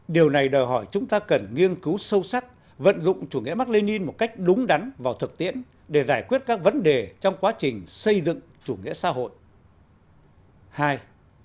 điều này đòi hỏi chúng ta cần nghiên cứu sâu sắc vận dụng chủ nghĩa mark lenin một cách đúng đắn vào thực tiễn để giải quyết các vấn đề trong quá trình xây dựng chủ nghĩa xã hội